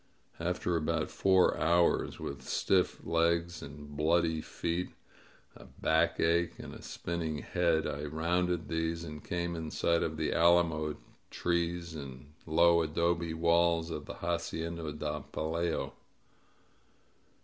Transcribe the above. After about four hours, with stiff legs and bloody feet, a 93 INSURGENT MEXICO backache anid a spinning head, I rounded these and came in sight of the alamo trees and low adobe walls of the Hacienda del Pelayo.